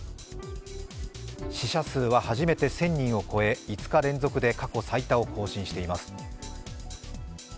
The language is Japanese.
死者数は初めて１０００人を超え５日連続で過去最多を更新しています。